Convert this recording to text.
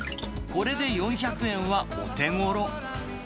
これで４００円はお手ごろ。